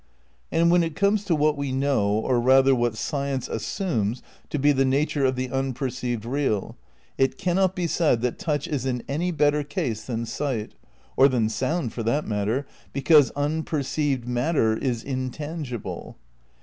And when it comes to what we know or rather what science assumes to be the nature of the unperceived real, it cannot be said that touch is in any better case than sight, or than sound for that matter, because t*w~ perceived matter is intangible.